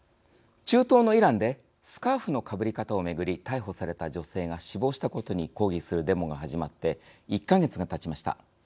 中東のイランでスカーフのかぶり方を巡り逮捕された女性が死亡したことに抗議するデモが始まって１か月がたちました。